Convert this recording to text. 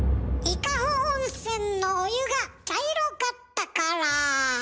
伊香保温泉のお湯が茶色かったから。